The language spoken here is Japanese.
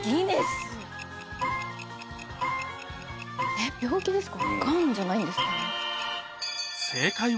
えっ病気ですか。